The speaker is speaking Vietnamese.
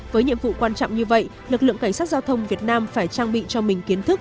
với nhiệm vụ quan trọng như vậy lực lượng cảnh sát giao thông việt nam phải trang bị cho mình kiến thức